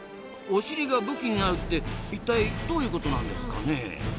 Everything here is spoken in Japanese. おしりが武器になるって一体どういうことなんですかね。